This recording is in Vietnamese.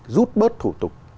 rút bớt thủ tục